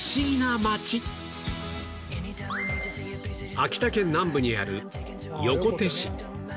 秋田県南部にある横手市